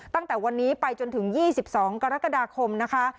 ตั้งแต่วันนี้ไปจนถึง๒๒กรกฎาคมนะคะ